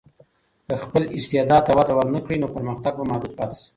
که خپل استعداد ته وده ورنکړې، نو پرمختګ به محدود پاتې شي.